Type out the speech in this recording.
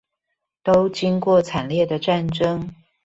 都經過慘烈的戰爭